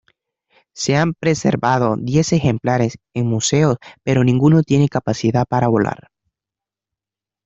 Se han preservado diez ejemplares en museos, pero ninguno tiene capacidad para volar.